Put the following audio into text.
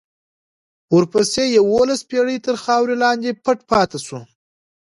ورپسې یوولس پېړۍ تر خاورو لاندې پټ پاتې شو.